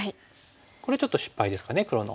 これちょっと失敗ですかね黒の。